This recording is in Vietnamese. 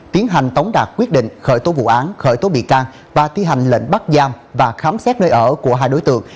tiến hành tống đạt quyết định khởi tố vụ án khởi tố bị can và thi hành lệnh bắt giam và khám xét nơi ở của hai đối tượng